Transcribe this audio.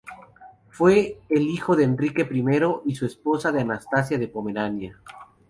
Fue el hijo de Enrique I y su esposa Anastasia de Pomerania.